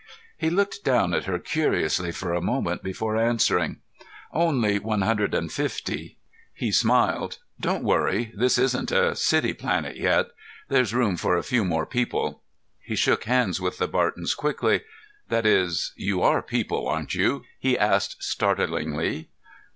He looked down at her curiously for a moment before answering. "Only one hundred and fifty." He smiled. "Don't worry, this isn't a city planet yet. There's room for a few more people." He shook hands with the Bartons quickly. "That is you are people, aren't you?" he asked startlingly.